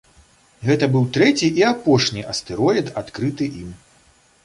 Гэта быў трэці і апошні астэроід, адкрыты ім.